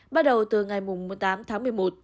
bắt đầu từ ngày tám tháng một mươi một